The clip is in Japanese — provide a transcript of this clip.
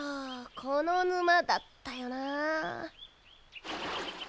このぬまだったよな。